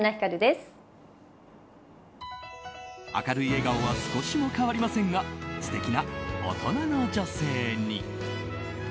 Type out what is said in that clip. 明るい笑顔は少しも変わりませんが素敵な大人の女性に！